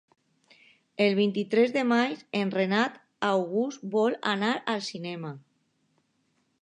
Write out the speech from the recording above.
El vint-i-tres de maig en Renat August vol anar al cinema.